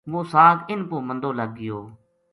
وہ ساگ اِنھ پو مندو لگ گیو